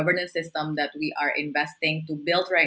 dengan sistem pemerintahan yang kita investasi untuk membangun sekarang